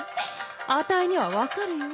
あたいには分かるよ。